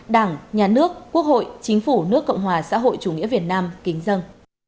đảng nhà nước quốc hội chính phủ nước cộng hòa xã hội chủ nghĩa việt nam kính dân